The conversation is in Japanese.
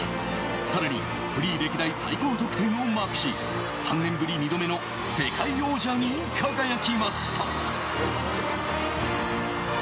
更にフリー歴代最高得点をマークし３年ぶり２度目の世界王者に輝きました。